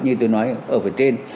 như tôi nói ở phần trên